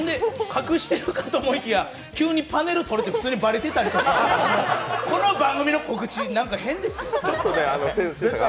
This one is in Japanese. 隠してるかと思いきや、急にパネルとれて普通にばれてたりとか、この番組の告知、なんか変ですよ？